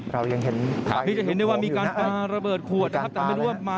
เรายังเห็นภายในหลวงอยู่หน้า